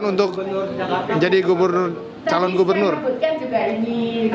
tanggapannya gimana bu menurut ibu